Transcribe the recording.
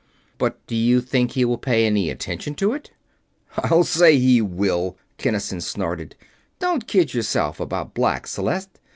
"But do you think he will pay any attention to it?" "I'll say he will!" Kinnison snorted. "Don't kid yourself about Black, Celeste.